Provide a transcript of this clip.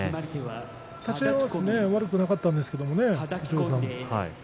立ち合い悪くなかったんですけどね。